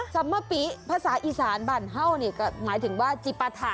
ซัมมะปีภาษาอีสานบ้านเข้าก็หมายถึงว่าจิปัทธะ